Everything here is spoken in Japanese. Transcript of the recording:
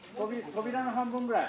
扉の半分ぐらい？